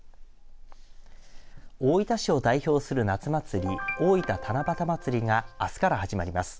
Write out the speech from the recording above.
大分市を代表する夏祭り大分七夕まつりがあすから始まります。